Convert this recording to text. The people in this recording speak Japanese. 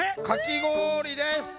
かき氷です！